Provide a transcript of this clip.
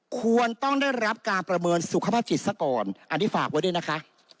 ควรต้องได้รับการประเมินสุขภาพจิตซะก่อนอันนี้ฝากไว้ด้วยนะคะ